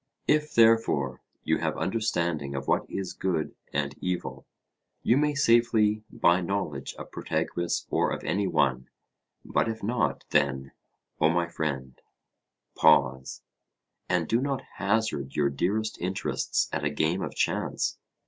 If, therefore, you have understanding of what is good and evil, you may safely buy knowledge of Protagoras or of any one; but if not, then, O my friend, pause, and do not hazard your dearest interests at a game of chance.